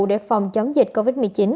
để phòng chống dịch covid một mươi chín